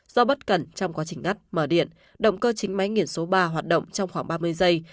do bất cẩn trong quá trình đắt mở điện động cơ chính máy biển số ba hoạt động trong khoảng ba mươi giây